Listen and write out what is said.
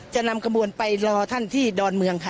จะนำกระบวนไปรอท่านที่ดอนเมืองค่ะ